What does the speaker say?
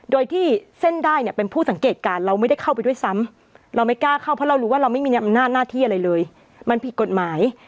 โดยที่เส้นได้เนี่ยเป็นผู้สังเกตการณ์เราไม่ได้เข้าไปด้วยซ้ำเราไม่กล้าเข้าเพราะเรารู้ว่าเราไม่มีอำนาจหน้าที่อะไรเลยมันผิดกฎหมาย